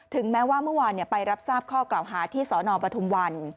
แม้ว่าเมื่อวานไปรับทราบข้อกล่าวหาที่สนปทุมวัน